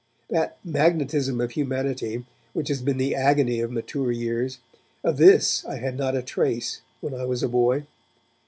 That magnetism of humanity which has been the agony of mature years, of this I had not a trace when I was a boy.